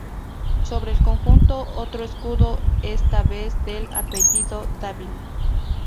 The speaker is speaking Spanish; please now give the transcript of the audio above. Sobre el conjunto, otro escudo, esta vez del apellido Dávila.